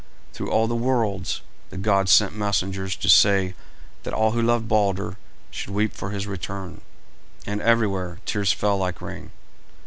Through all the worlds the gods sent messengers to say that all who loved Balder should weep for his return, and everywhere tears fell like rain.